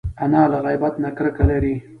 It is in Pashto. انا له غیبت نه کرکه لري